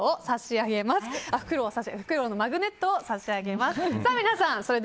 フクロウのマグネットを差し上げます。